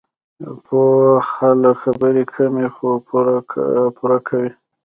پوه خلک خبرې کمې، خو پوره کوي.